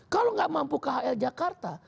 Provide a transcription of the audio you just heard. kalau nggak mampu khl jakarta